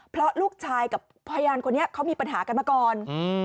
เพราะลูกชายกับพยานคนนี้เขามีปัญหากันมาก่อนอืม